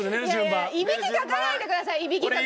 イビキかかないでください。